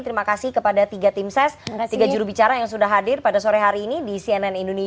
terima kasih kepada tiga tim ses tiga jurubicara yang sudah hadir pada sore hari ini di cnn indonesia